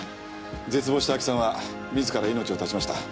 絶望した亜紀さんは自ら命を断ちました。